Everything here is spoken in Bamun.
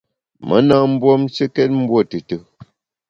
Me na mbuomshekét mbuo tùtù.